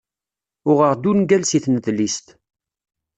Uɣeɣ-d ungal si tnedlist.